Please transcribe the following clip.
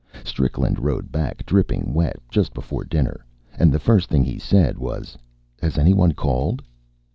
Strickland rode back, dripping wet, just before dinner, and the first thing he said was: "Has any one called?"